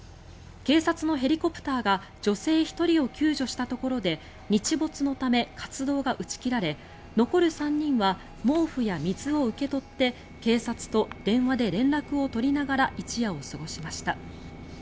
警察のヘリコプターが女性１人を救助したところで日没のため活動が打ち切られ残る３人は毛布や水を受け取って警察と電話で連絡を取りながら一夜を過ごしました。